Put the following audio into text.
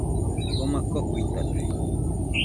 Joma kokuitate